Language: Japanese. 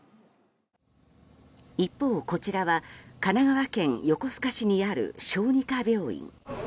一方、こちらは神奈川県横須賀市にある小児科病院。